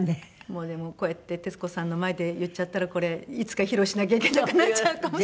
もうでもこうやって徹子さんの前で言っちゃったらこれいつか披露しなきゃいけなくなっちゃうかも。